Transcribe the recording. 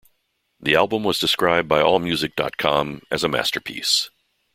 The album was described by allmusic dot com as a masterpiece.